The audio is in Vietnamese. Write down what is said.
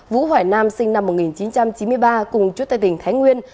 vũ hoài nam sinh năm một nghìn chín trăm chín mươi ba cùng chú tây tỉnh thái nguyên